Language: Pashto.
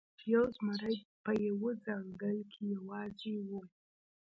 یو زمری په یوه ځنګل کې یوازې و.